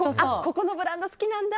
ここのブランド好きなんだ